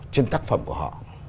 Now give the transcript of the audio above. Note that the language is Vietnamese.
trên tác phẩm của họ